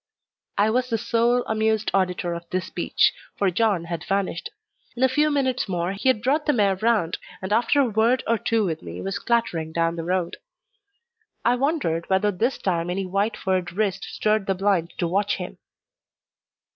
'" I was the sole amused auditor of this speech, for John had vanished. In a few minutes more he had brought the mare round, and after a word or two with me was clattering down the road. I wondered whether this time any white furred wrist stirred the blind to watch him.